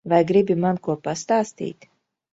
Vai gribi man ko pastāstīt?